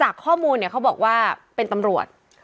ข้อมูลเนี่ยเขาบอกว่าเป็นตำรวจ